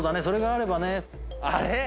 それがあればねあれ？